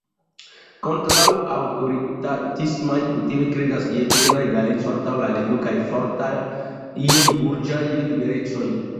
Kontraŭ-aŭtoritatismaj kutime kredas je plena egaleco antaŭ la leĝo kaj fortaj burĝaj liberecoj.